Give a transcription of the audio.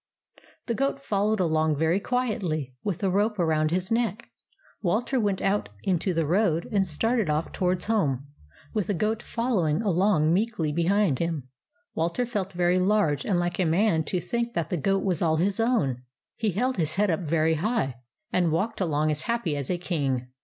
The goat followed along very quietly, with the rope around his neck. Walter went out into the road and started off to wards home, with the goat following along meekly behind him. Walter felt very large and like a man to think that the goat was all his own. He held his head up very high, and walked along as happy as a king.